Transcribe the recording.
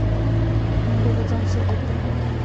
منډه د ځان ثبوت دی